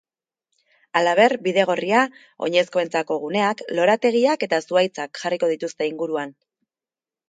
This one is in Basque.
Halaber, bidegorria, oinezkoentzako guneak, lorategiak eta zuhaitzak jarriko dituzte inguruan.